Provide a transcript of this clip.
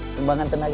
sumbangan tenaga aja